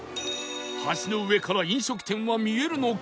橋の上から飲食店は見えるのか？